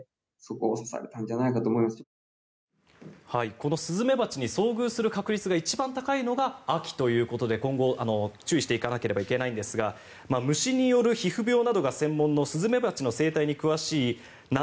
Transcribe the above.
このスズメバチに遭遇する確率が一番高いのが秋ということで今後、注意していかなければいけないんですが虫による皮膚病などが専門のスズメバチの生態に詳しい夏